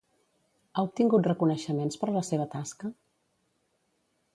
Ha obtingut reconeixements per la seva tasca?